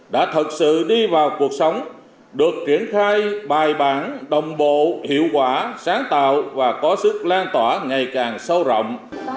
đã thật sự đi vào cuộc sống được triển khai bài bản đồng bộ hiệu quả sáng tạo và có sức lan tỏa ngày càng sâu rộng